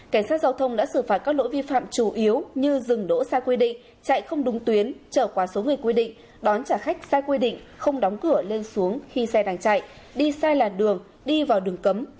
cảnh sát giao thông đã xử phạt các lỗi vi phạm chủ yếu như dừng đỗ sai quy định chạy không đúng tuyến trở qua số người quy định đón trả khách sai quy định không đóng cửa lên xuống khi xe đang chạy đi sai làn đường đi vào đường cấm